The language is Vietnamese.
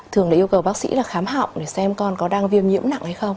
thường để yêu cầu bác sĩ là khám học để xem con có đang viêm nhiễm nặng hay không